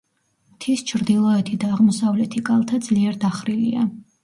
მთის ჩრდილოეთი და აღმოსავლეთი კალთა ძლიერ დახრილია.